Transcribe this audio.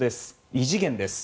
異次元です。